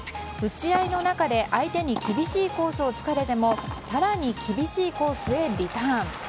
打ち合いの中で、相手に厳しいコースを突かれても更に厳しいコースへリターン。